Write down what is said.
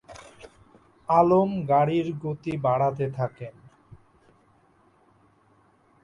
আলম গাড়ির গতি বাড়াতে থাকেন।